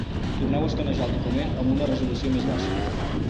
Torneu a escanejar el document amb una resolució més baixa.